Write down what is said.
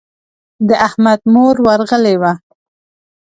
د احمد مور ورغلې وه.